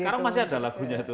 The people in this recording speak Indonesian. sekarang masih ada lagunya itu